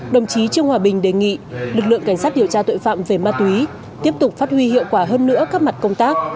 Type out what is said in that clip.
đồng chí trương hòa bình đề nghị lực lượng cảnh sát điều tra tội phạm về ma túy tiếp tục phát huy hiệu quả hơn nữa các mặt công tác